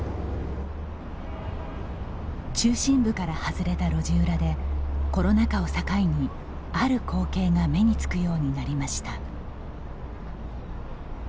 中心部から外れた路地裏でコロナ禍を境に、ある光景が目につくようになりました。